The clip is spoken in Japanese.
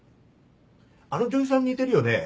あの女優さんに似てるよね？